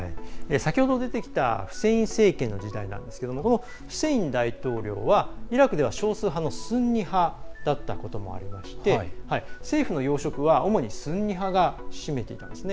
先ほど出てきたフセイン政権の時代なんですけれどもフセイン大統領はイラクでは少数派のスンニ派だったこともありまして政府の要職は主にスンニ派が占めていたんですね。